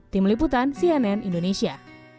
tim liputan cnn indonesia